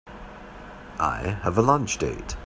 I have a lunch date.